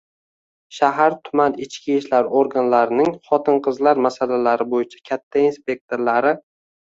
Shahar-tuman ichki ishlar organlarining xotin-qizlar masalalari bo'yicha katta inspektorlari